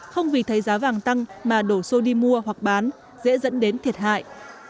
không vì thấy giá vàng tăng mà đổ xô đi mua hoặc bán dễ dẫn đến thiệt hại